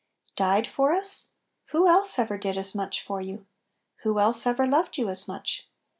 DIED for us? 'Who else ever did as much for you? who else ever loved you as much?